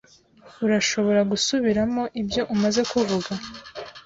Urashobora gusubiramo ibyo umaze kuvuga?